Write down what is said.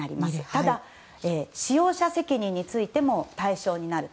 ただ、使用者責任についても対象になる。